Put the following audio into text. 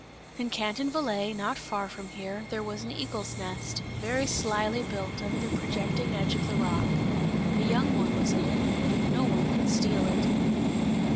In Canton Valais, not far from here, there was an eagle's nest, very slyly built under the projecting edge of the rock; a young one was in it, but no one could steal it!